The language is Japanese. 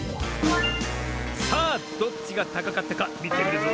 さあどっちがたかかったかみてみるぞ。